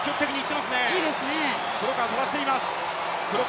飛ばしています。